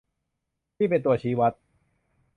นี่เป็นตัวชี้วัด